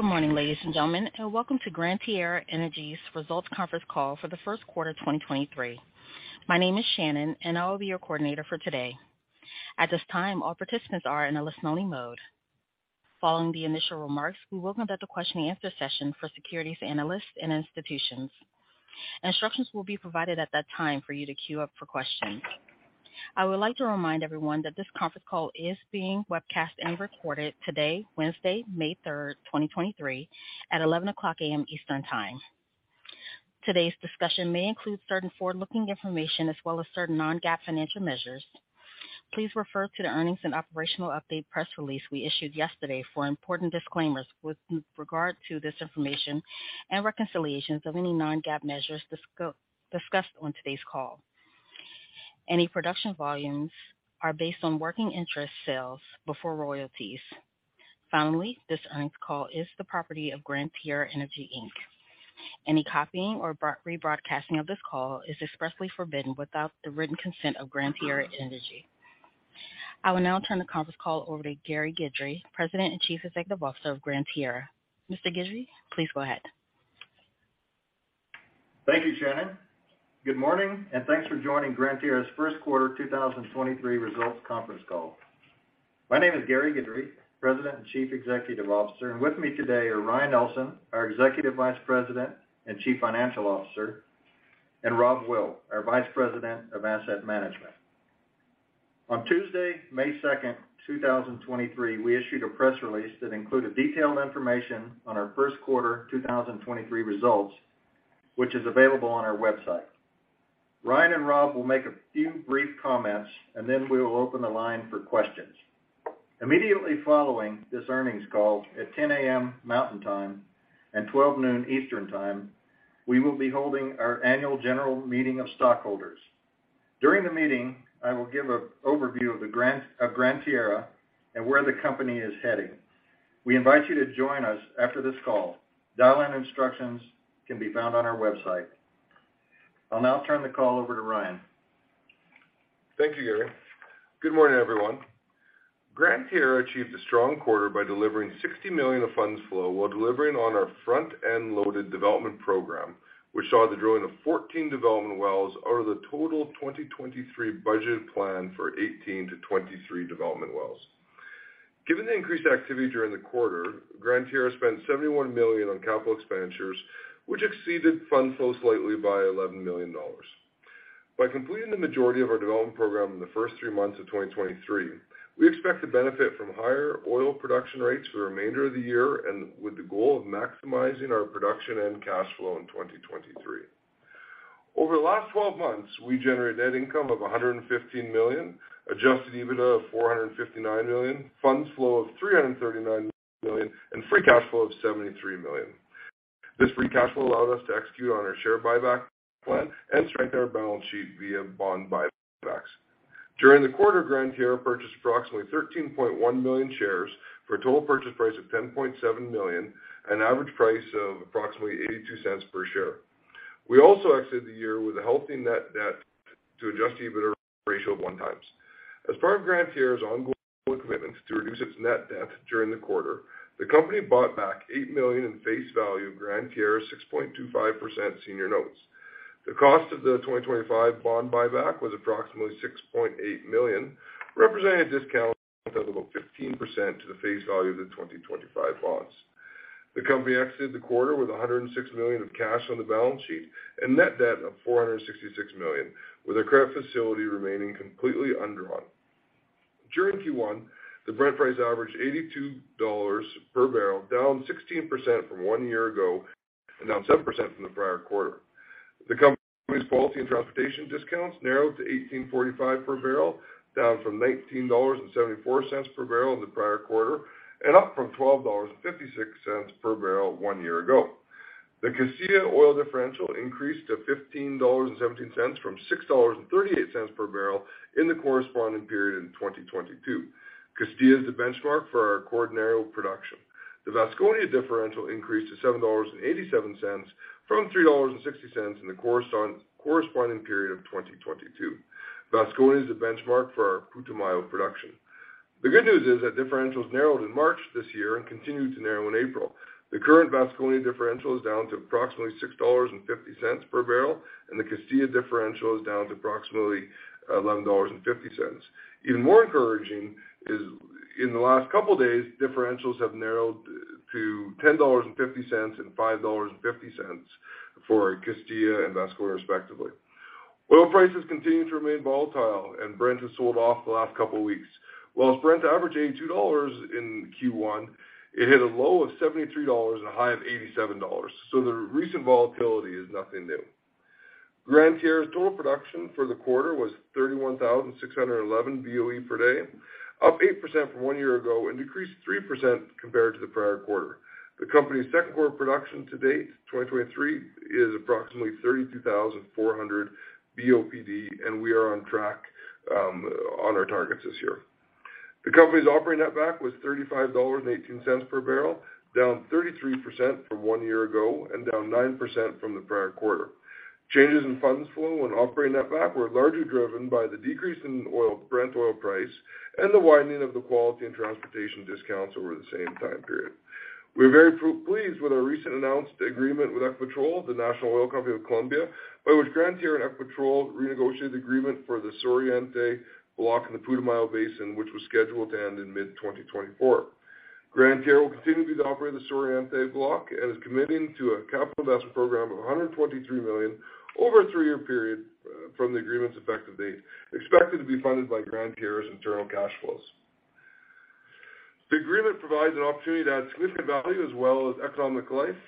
Good morning, ladies and gentlemen, and welcome to Gran Tierra Energy's Results conference call for the first quarter 2023. My name is Shannon, and I will be your coordinator for today. At this time, all participants are in a listen-only mode. Following the initial remarks, we will conduct the question-and-answer session for securities analysts and institutions. Instructions will be provided at that time for you to queue up for questions. I would like to remind everyone that this conference call is being webcast and recorded today, Wednesday, May 3, 2023, at 11:00 A.M. Eastern Time. Today's discussion may include certain forward-looking information as well as certain non-GAAP financial measures. Please refer to the earnings and operational update press release we issued yesterday for important disclaimers with regard to this information and reconciliations of any non-GAAP measures discussed on today's call. Any production volumes are based on working interest sales before royalties. Finally, this earnings call is the property of Gran Tierra Energy, Inc. Any copying or rebroadcasting of this call is expressly forbidden without the written consent of Gran Tierra Energy. I will now turn the conference call over to Gary Guidry, President and Chief Executive Officer of Gran Tierra. Mr. Guidry, please go ahead. Thank you, Shannon. Good morning, and thanks for joining Gran Tierra's first quarter 2023 results conference call. My name is Gary Guidry, President and Chief Executive Officer. With me today are Ryan Ellson, our Executive Vice President and Chief Financial Officer, and Rob Will, our Vice President of Asset Management. On Tuesday, May second, 2023, we issued a press release that included detailed information on our first quarter 2023 results, which is available on our website. Ryan and Rob will make a few brief comments, and then we will open the line for questions. Immediately following this earnings call, at 10:00 A.M. Mountain Time and 12:00 P.M. Eastern Time, we will be holding our annual general meeting of stockholders. During the meeting, I will give an overview of Gran Tierra and where the company is heading. We invite you to join us after this call. Dial-in instructions can be found on our website. I'll now turn the call over to Ryan. Thank you, Gary. Good morning, everyone. Gran Tierra achieved a strong quarter by delivering $60 million of funds flow while delivering on our front-end loaded development program, which saw the drilling of 14 development wells out of the total 2023 budget plan for 18-23 development wells. Given the increased activity during the quarter, Gran Tierra spent $71 million on capital expenditures, which exceeded fund flow slightly by $11 million. By completing the majority of our development program in the first three months of 2023, we expect to benefit from higher oil production rates for the remainder of the year and with the goal of maximizing our production and cash flow in 2023. Over the last 12 months, we generated net income of $115 million, adjusted EBITDA of $459 million, funds flow of $339 million, and free cash flow of $73 million. This free cash flow allowed us to execute on our share buyback plan and strengthen our balance sheet via bond buybacks. During the quarter, Gran Tierra purchased approximately 13.1 million shares for a total purchase price of $10.7 million, an average price of approximately $0.82 per share. We also exited the year with a healthy net debt to adjusted EBITDA ratio of 1x. As part of Gran Tierra's ongoing commitment to reduce its net debt during the quarter, the company bought back $8 million in face value of Gran Tierra's 6.25% senior notes. The cost of the 2025 bond buyback was approximately $6.8 million, representing a discount of about 15% to the face value of the 2025 bonds. The company exited the quarter with $106 million of cash on the balance sheet and net debt of $466 million, with our credit facility remaining completely undrawn. During Q1, the Brent price averaged $82 per bbl, down 16% from one year ago and down 7% from the prior quarter. The company's quality and transportation discounts narrowed to $18.45 per bbl, down from $19.74 per bbl in the prior quarter and up from $12.56 per bbl one year ago. The Castilla oil differential increased to $15.17 from $6.38 per bbl in the corresponding period in 2022. Castilla is the benchmark for our Acordionero production. The Vasconia differential increased to $7.87 from $3.60 in the corresponding period of 2022. Vasconia is the benchmark for our Putumayo production. The good news is that differentials narrowed in March this year and continued to narrow in April. The current Vasconia differential is down to approximately $6.50 per bbl, and the Castilla differential is down to approximately $11.50. Even more encouraging is, in the last couple days, differentials have narrowed to $10.50 and $5.50 for Castilla and Vasconia respectively. Oil prices continue to remain volatile. Brent has sold off the last couple weeks. While Brent averaged $82 in Q1, it hit a low of $73 and a high of $87. The recent volatility is nothing new. Gran Tierra's total production for the quarter was 31,611 BOE per day, up 8% from one year ago and decreased 3% compared to the prior quarter. The company's second quarter production to date 2023 is approximately 32,400 BOPD. We are on track on our targets this year. The company's operating netback was $35.18 per bbl, down 33% from one year ago and down 9% from the prior quarter. Changes in funds flow and operating netback were largely driven by the decrease in Brent oil price and the widening of the quality and transportation discounts over the same time period. We're very pleased with our recent announced agreement with Ecopetrol, the national oil company of Colombia, by which Gran Tierra and Ecopetrol renegotiated the agreement for the Suroriente block in the Putumayo Basin, which was scheduled to end in mid-2024. Gran Tierra will continue to operate the Suroriente block and is committing to a capital investment program of $123 million over a three-year period from the agreement's effective date, expected to be funded by Gran Tierra's internal cash flows. The agreement provides an opportunity to add significant value as well as economic life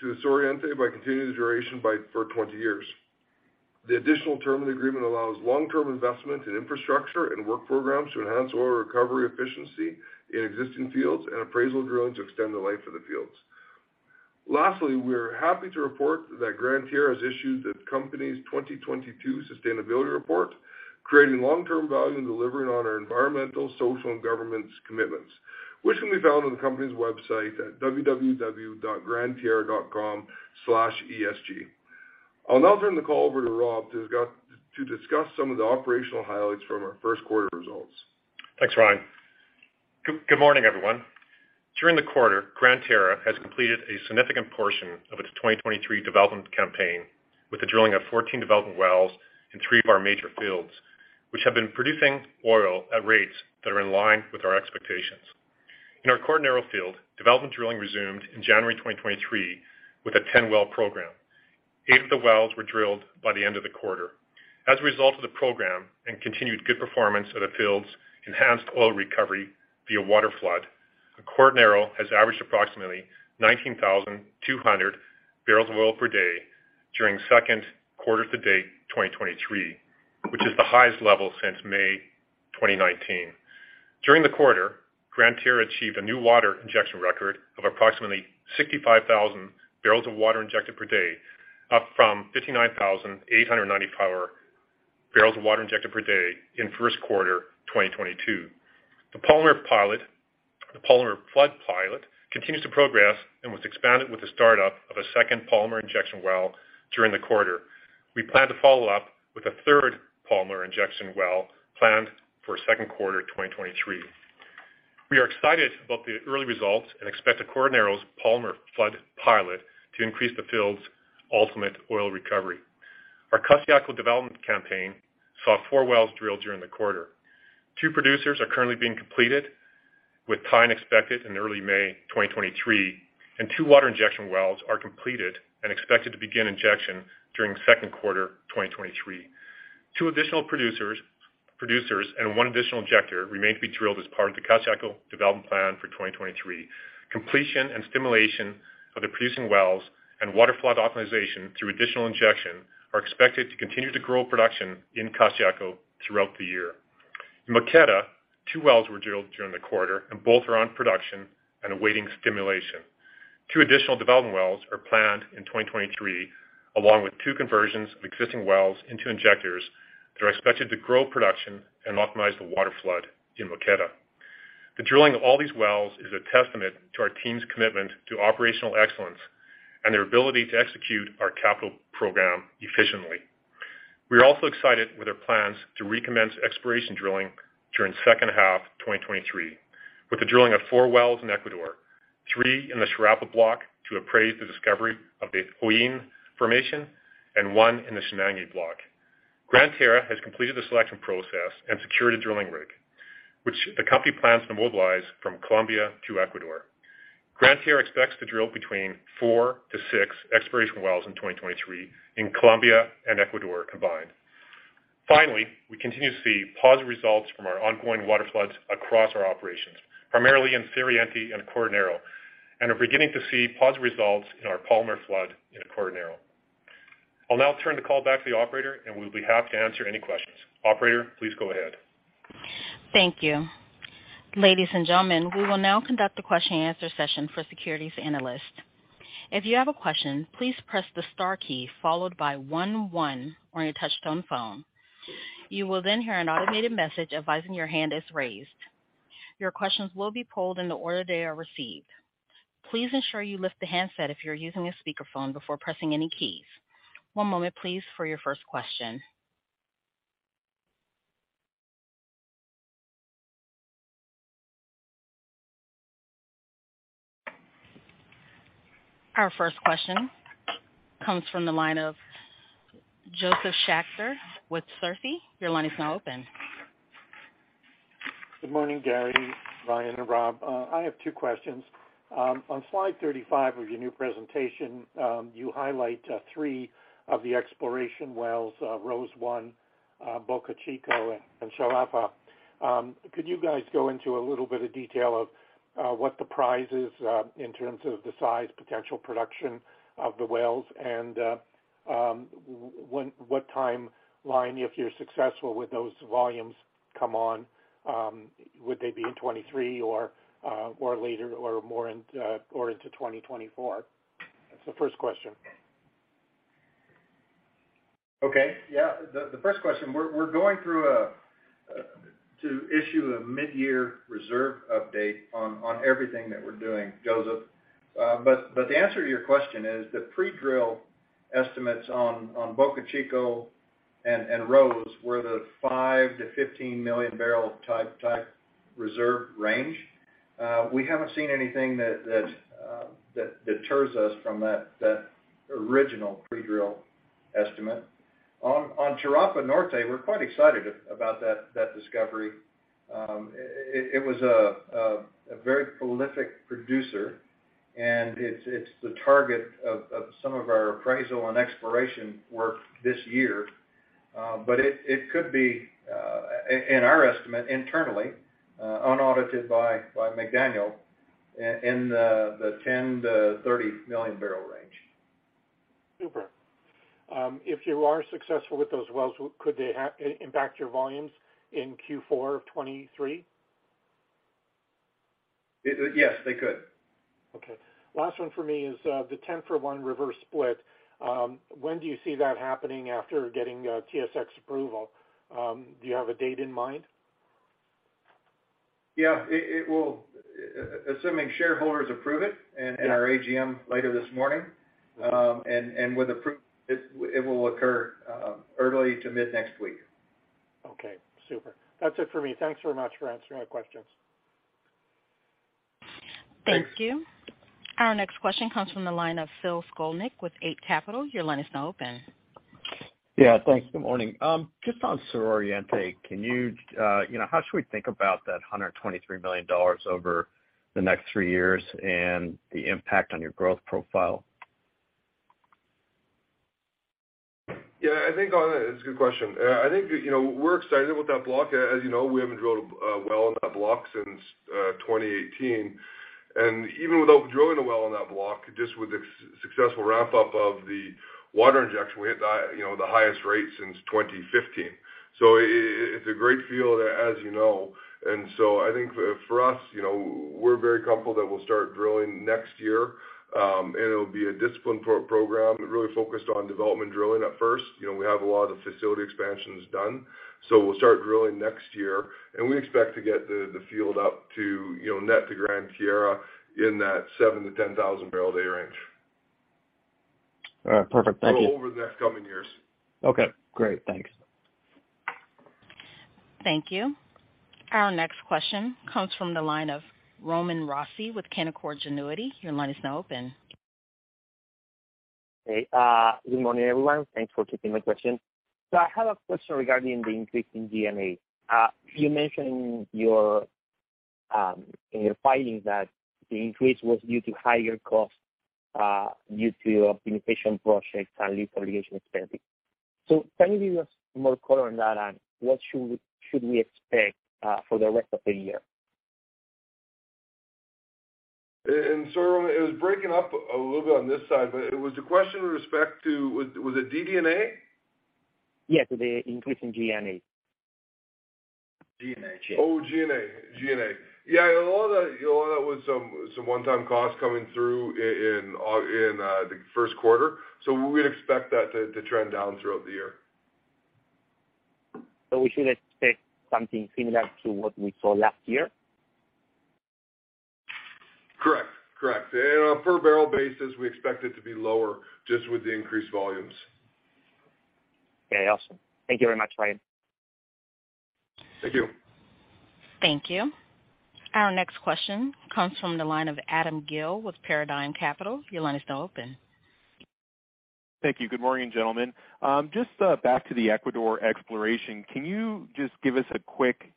to Suroriente for 20 years. The additional term in the agreement allows long-term investment in infrastructure and work programs to enhance oil recovery efficiency in existing fields and appraisal drilling to extend the life of the fields. Lastly, we're happy to report that Gran Tierra has issued the company's 2022 sustainability report, creating long-term value and delivering on our environmental, social, and governance commitments, which can be found on the company's website at www.grantierra.com/esg. I'll now turn the call over to Rob to discuss some of the operational highlights from our first quarter results. Thanks, Ryan. Good morning, everyone. During the quarter, Gran Tierra has completed a significant portion of its 2023 development campaign with the drilling of 14 development wells in three of our major fields, which have been producing oil at rates that are in line with our expectations. In our Acordionero field, development drilling resumed in January 2023 with a 10-well program. Eight of the wells were drilled by the end of the quarter. As a result of the program and continued good performance of the field's enhanced oil recovery via water flood, Acordionero has averaged approximately 19,200 bbl of oil per day during second quarter to date, 2023, which is the highest level since May 2019. During the quarter, Gran Tierra achieved a new water injection record of approximately 65,000 bbl of water injected per day, up from 59,890 bbl of water injected per day in first quarter 2022. The polymer flood pilot continues to progress and was expanded with the startup of a second polymer injection well during the quarter. We plan to follow up with a third polymer injection well planned for second quarter 2023. We are excited about the early results and expect the Acordionero's polymer flood pilot to increase the field's ultimate oil recovery. Our Costayaco development campaign saw four wells drilled during the quarter. Two producers are currently being completed, with tie-in expected in early May 2023, and two water injection wells are completed and expected to begin injection during second quarter 2023. Two additional producers and one additional injector remain to be drilled as part of the Costayaco development plan for 2023. Completion and stimulation of the producing wells and water flood optimization through additional injection are expected to continue to grow production in Costayaco throughout the year. In Moqueta, two wells were drilled during the quarter and both are on production and awaiting stimulation. Two additional development wells are planned in 2023, along with two conversions of existing wells into injectors that are expected to grow production and optimize the water flood in Moqueta. The drilling of all these wells is a testament to our team's commitment to operational excellence and their ability to execute our capital program efficiently. We are also excited with our plans to recommence exploration drilling during second half 2023, with the drilling of four wells in Ecuador, three in the Charapa block to appraise the discovery of the Hollin Formation and one in the Chanangue block. Gran Tierra has completed the selection process and secured a drilling rig, which the company plans to mobilize from Colombia to Ecuador. Gran Tierra expects to drill between four to six exploration wells in 2023 in Colombia and Ecuador combined. Finally, we continue to see positive results from our ongoing water floods across our operations, primarily in Suroriente and Cuartero, and are beginning to see positive results in our polymer flood in Cuartero. I'll now turn the call back to the operator, and we'll be happy to answer any questions. Operator, please go ahead. Thank you. Ladies and gentlemen, we will now conduct a question and answer session for securities analysts. If you have a question, please press the star key followed by one one on your touch-tone phone. You will hear an automated message advising your hand is raised. Your questions will be pulled in the order they are received. Please ensure you lift the handset if you're using a speakerphone before pressing any keys. One moment please for your first question. Our first question comes from the line of Josef Schachter with Schachter Energy Research Services Inc. Your line is now open. Good morning, Gary, Ryan, and Rob. I have two questions. On slide 35 of your new presentation, you highlight three of the exploration wells, Rose-1, Bocachico, and Charapa. Could you guys go into a little bit of detail of what the prize is, in terms of the size, potential production of the wells and what timeline, if you're successful with those volumes, come on? Would they be in 2023 or later or more in or into 2024? That's the first question. Okay. Yeah. The first question, we're going through to issue a mid-year reserve update on everything that we're doing goes up. The answer to your question is the pre-drill estimates on Bocachico and Rose were the 5 million-15 million bbl type reserve range. We haven't seen anything that deters us from that original pre-drill estimate. On Charapa Norte, we're quite excited about that discovery. It was a very prolific producer, and it's the target of some of our appraisal and exploration work this year. It could be in our estimate internally, unaudited by McDaniel in the 10 million-30 million bbl range. Super. If you are successful with those wells, could they impact your volumes in Q4 of 2023? Yes, they could. Okay. Last one for me is, the 10-for-1 reverse split. When do you see that happening after getting TSX approval? Do you have a date in mind? Yeah. It will assuming shareholders approve it. Yeah... in our AGM later this morning, and with approval, it will occur, early to mid next week. Super. That's it for me. Thanks very much for answering my questions. Thanks. Thank you. Our next question comes from the line of Phil Skolnick with Eight Capital. Your line is now open. Yeah. Thanks. Good morning. Just on Suroriente, can you know, how should we think about that $123 million over the next three years and the impact on your growth profile? I think on it. It's a good question. I think, you know, we're excited with that block. As you know, we haven't drilled a well on that block since 2018. Even without drilling a well on that block, just with the successful ramp up of the water injection, we hit the, you know, the highest rate since 2015. It's a great field, as you know. I think for us, you know, we're very comfortable that we'll start drilling next year. And it'll be a disciplined program really focused on development drilling at first. You know, we have a lot of facility expansions done. We'll start drilling next year, and we expect to get the field up to, you know, net to Gran Tierra in that 7,000-10,000 bbl a day range. All right. Perfect. Thank you. Over the next coming years. Okay, great. Thanks. Thank you. Our next question comes from the line of Roman Rossi with Canaccord Genuity. Your line is now open. Hey. Good morning, everyone. Thanks for taking my question. I have a question regarding the increase in G&A. You mentioned your in your filings that the increase was due to higher costs, due to your optimization projects and lease obligation expenses. Can you give us more color on that, and what should we expect for the rest of the year? Roman, it was breaking up a little bit on this side, but it was a question with respect to. Was it DD&A? Yes, the increase in G&A. G&A. Oh, G&A. Yeah, a lot of that, you know, a lot of that was some one-time costs coming through in the first quarter. We'd expect that to trend down throughout the year. We should expect something similar to what we saw last year? Correct. Correct. On a per barrel basis, we expect it to be lower just with the increased volumes. Okay. Awesome. Thank you very much, Ryan. Thank you. Thank you. Our next question comes from the line of Adam Gill with Paradigm Capital. Your line is now open. Thank you. Good morning, gentlemen. Just back to the Ecuador exploration, can you just give us a quick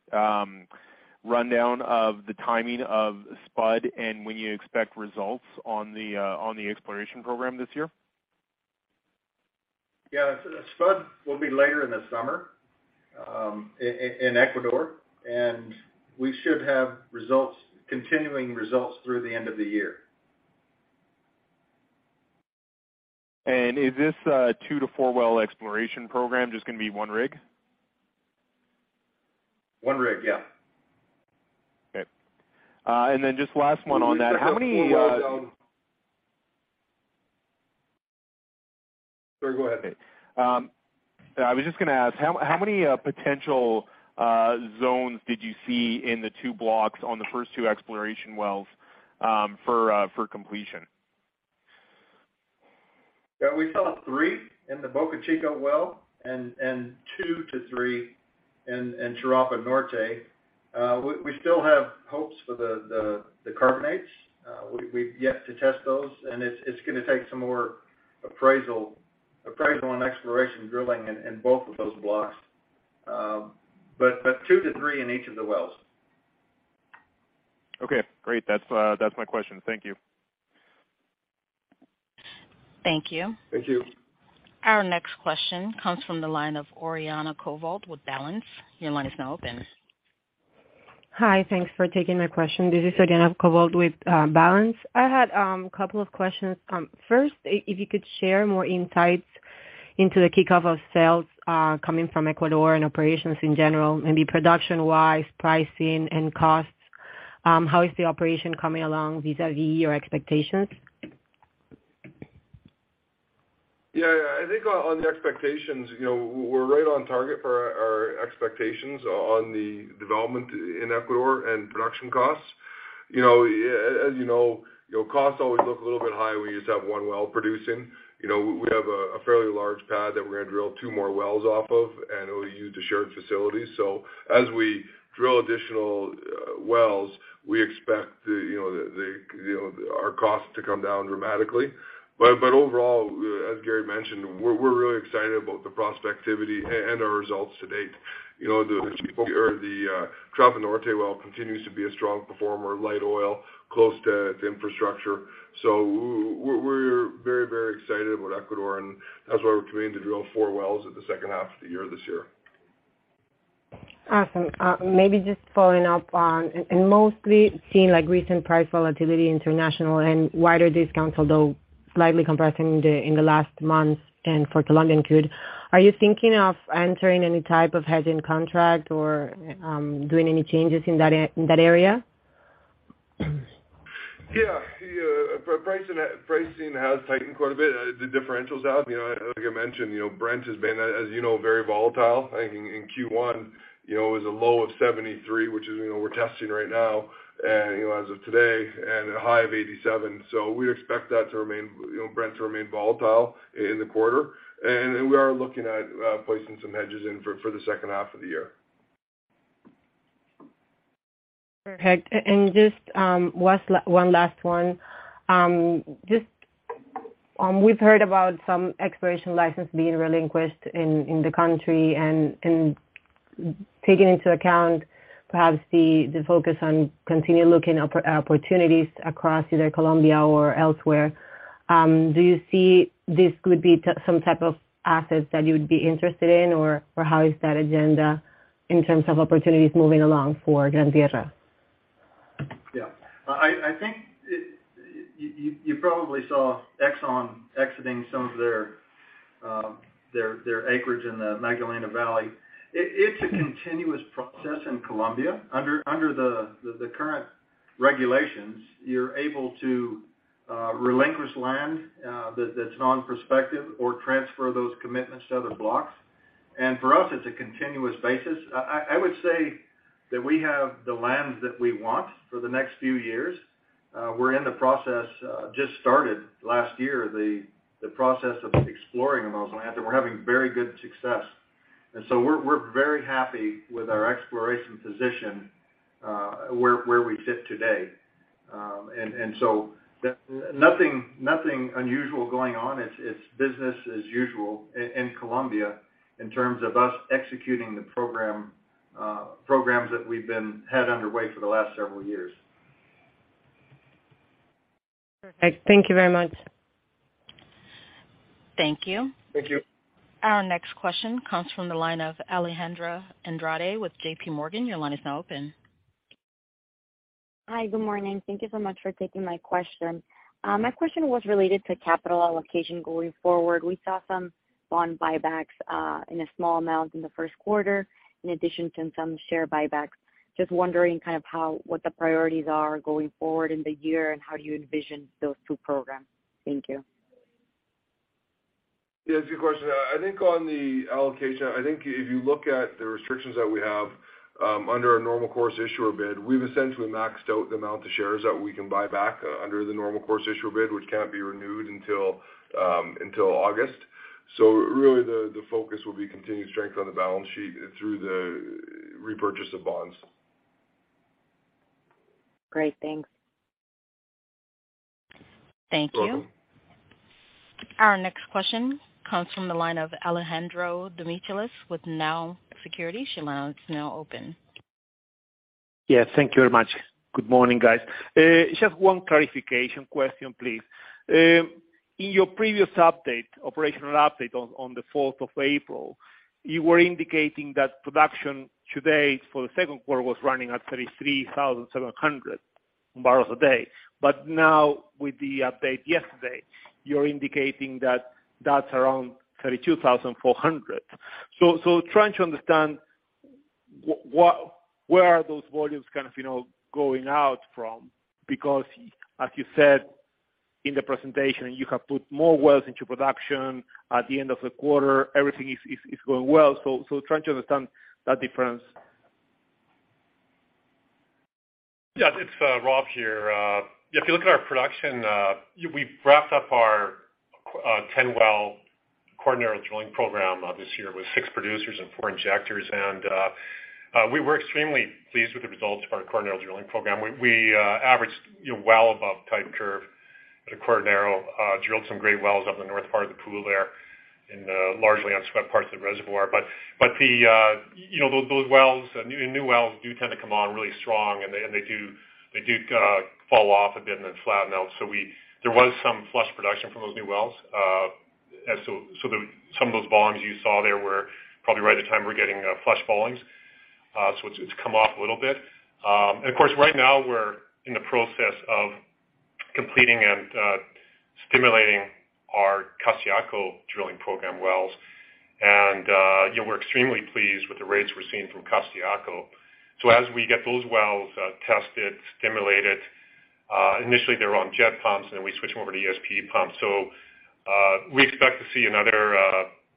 rundown of the timing of spud and when you expect results on the exploration program this year? Yeah. Spud will be later in the summer, in Ecuador, and we should have results, continuing results through the end of the year. Is this two to four well exploration program just gonna be one rig? One rig, yeah. Okay. just last one on that. How many, Sorry, go ahead. I was just gonna ask, how many potential zones did you see in the 2 blocks on the first 2 exploration wells, for completion? We saw three in the Bocachico well and two to three in Charapa Norte. We still have hopes for the carbonates. We've yet to test those, and it's gonna take some more appraisal and exploration drilling in both of those blocks. But two to three in each of the wells. Okay, great. That's my question. Thank you. Thank you. Thank you. Our next question comes from the line of Oriana Covault with Balanz Capital. Your line is now open. Hi. Thanks for taking my question. This is Oriana Covault with Balanz Capital. I had a couple of questions. First, if you could share more insights into the kickoff of sales coming from Ecuador and operations in general, maybe production-wise, pricing and costs. How is the operation coming along vis-a-vis your expectations? Yeah, I think on the expectations, you know, we're right on target for our expectations on the development in Ecuador and production costs. You know, as you know, your costs always look a little bit high when you just have one well producing. You know, we have a fairly large pad that we're gonna drill two more wells off of, and we'll use the shared facilities. As we drill additional wells, we expect the, you know, the, you know, our costs to come down dramatically. Overall, as Gary mentioned, we're really excited about the prospectivity and our results to date. You know, the Charapa Norte well continues to be a strong performer, light oil, close to infrastructure. We're very, very excited about Ecuador, and that's why we're continuing to drill four wells in the second half of the year this year. Awesome. Maybe just following up on and mostly seeing like recent price volatility international and wider discounts, although slightly compressing in the last month and for London crude, are you thinking of entering any type of hedging contract or doing any changes in that area? Yeah. Yeah. Pricing has tightened quite a bit, the differentials have. You know, like I mentioned, you know, Brent has been, as you know, very volatile. I think in Q1, you know, it was a low of $73, which is, you know, we're testing right now, and, you know, as of today, and a high of $87. We expect that to remain, you know, Brent to remain volatile in the quarter. We are looking at placing some hedges in for the second half of the year. Perfect. Just, one last one. Just, we've heard about some exploration license being relinquished in the country and taking into account perhaps the focus on continue looking opportunities across either Colombia or elsewhere, do you see this could be some type of assets that you would be interested in, or how is that agenda in terms of opportunities moving along for Gran Tierra? I think you probably saw ExxonMobil exiting some of their acreage in the Magdalena Valley. It's a continuous process in Colombia. Under the current regulations, you're able to relinquish land that's non-prospective or transfer those commitments to other blocks. For us, it's a continuous basis. I would say that we have the lands that we want for the next few years. We're in the process, just started last year, the process of exploring those lands, and we're having very good success. We're very happy with our exploration position where we sit today. Nothing unusual going on. It's business as usual in Colombia in terms of us executing the program, programs that had underway for the last several years. Perfect. Thank you very much. Thank you. Thank you. Our next question comes from the line of Alejandra Andrade with JPMorgan. Your line is now open. Hi. Good morning. Thank you so much for taking my question. My question was related to capital allocation going forward. We saw some bond buybacks in a small amount in the first quarter, in addition to some share buybacks. Just wondering kind of how, what the priorities are going forward in the year and how you envision those two programs. Thank you. Yeah, it's a good question. I think on the allocation, I think if you look at the restrictions that we have, under our normal course issuer bid, we've essentially maxed out the amount of shares that we can buy back under the normal course issuer bid, which can't be renewed until August. Really the focus will be continued strength on the balance sheet through the repurchase of bonds. Great. Thanks. Thank you. Welcome. Our next question comes from the line of Alejandro Demichelis with Nau Securities. Your line is now open. Yeah. Thank you very much. Good morning, guys. Just one clarification question, please. In your previous update, operational update on the fourth of April, you were indicating that production to date for the second quarter was running at 33,700 bbl a day. Now with the update yesterday, you're indicating that that's around 32,400 bbl. Trying to understand where are those volumes kind of, you know, going out from? Because as you said in the presentation, you have put more wells into production at the end of the quarter. Everything is going well. Trying to understand that difference. Yeah, it's Rob here. If you look at our production, we've wrapped up our 10-well Acordionero drilling program this year with six producers and four injectors. We were extremely pleased with the results of our Acordionero drilling program. We averaged, you know, well above type curve at Acordionero. Drilled some great wells up the north part of the pool there in the largely unswept parts of the reservoir. The, you know, those wells, new wells do tend to come on really strong, and they do, they do fall off a bit and then flatten out. There was some flush production from those new wells. Some of those volumes you saw there were probably right at the time we're getting flush volumes. It's come off a little bit. Of course, right now we're in the process of completing and stimulating our Costayaco drilling program wells. You know, we're extremely pleased with the rates we're seeing from Costayaco. As we get those wells tested, stimulated, initially, they're on jet pumps, and we switch them over to ESP pumps. We expect to see another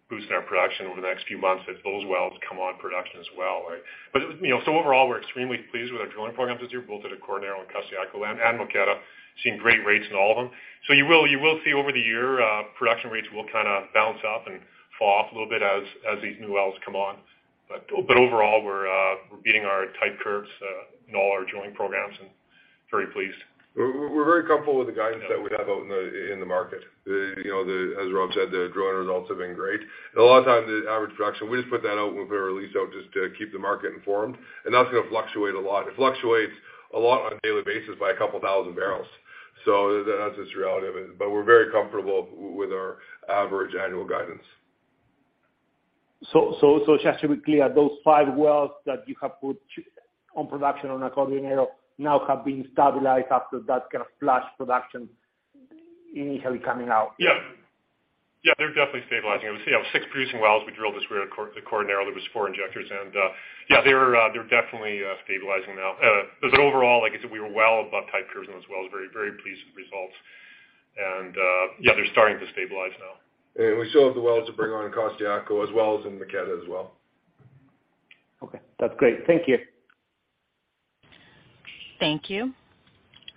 boost in our production over the next few months as those wells come on production as well. You know, overall, we're extremely pleased with our drilling programs this year, both at Acordionero and Costayaco and Moqueta. Seeing great rates in all of them. You will see over the year, production rates will kinda bounce up and fall off a little bit as these new wells come on. Overall, we're beating our tight curves in all our drilling programs and very pleased. We're very comfortable with the guidance that we'd have out in the market. As Rob said, the drilling results have been great. A lot of times the average production, we just put that out when we put our release out just to keep the market informed, and that's gonna fluctuate a lot. It fluctuates a lot on a daily basis by 2,000 bbl. That's just reality of it. We're very comfortable with our average annual guidance. just to be clear, those five wells that you have put on production on Acordionero now have been stabilized after that kind of flash production initially coming out. Yeah, they're definitely stabilizing. We have six producing wells. We drilled this well at the Acordionero. There was four injectors, yeah, they're definitely stabilizing now. 'Cause overall, like I said, we were well above type curves on those wells. Very pleased with results. Yeah, they're starting to stabilize now. We still have the wells to bring on in Costayaco as well as in Moqueta as well. Okay, that's great. Thank you. Thank you.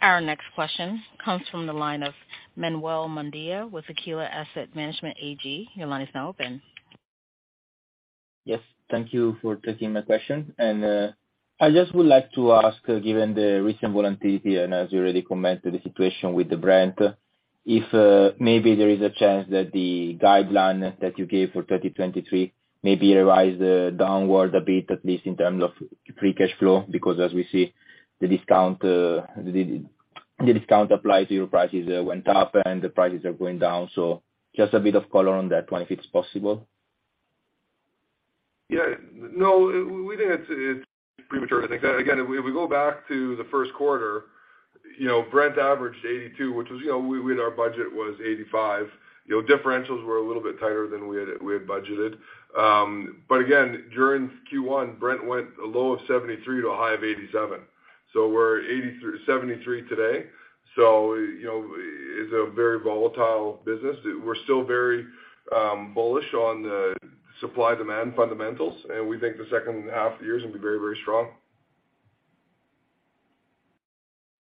Our next question comes from the line of Manuel Mondia with Aquila Asset Management AG. Your line is now open. Yes, thank you for taking my question. I just would like to ask, given the recent volatility and as you already commented the situation with the Brent, if maybe there is a chance that the guideline that you gave for 2023, maybe revise downward a bit, at least in terms of free cash flow, because as we see, the discount applied to your prices went up and the prices are going down. Just a bit of color on that one, if it's possible? Yeah. No, we think it's premature to think that. Again, if we go back to the first quarter, you know, Brent averaged $82, which was, you know, we had our budget was $85. You know, differentials were a little bit tighter than we had, we had budgeted. Again, during Q1, Brent went a low of $73 to a high of $87. We're $73 today. You know, it's a very volatile business. We're still very bullish on the supply-demand fundamentals. We think the second half of the year is gonna be very, very strong.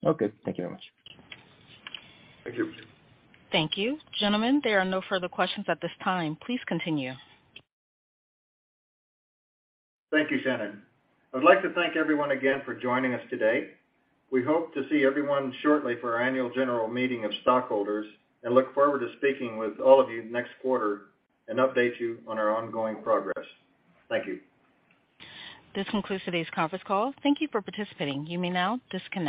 Okay, thank you very much. Thank you. Thank you. Gentlemen, there are no further questions at this time. Please continue. Thank you, Shannon. I'd like to thank everyone again for joining us today. We hope to see everyone shortly for our annual general meeting of stockholders, and look forward to speaking with all of you next quarter and update you on our ongoing progress. Thank you. This concludes today's conference call. Thank you for participating. You may now disconnect.